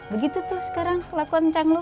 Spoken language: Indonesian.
begitu tuh sekarang kelakuan cang lu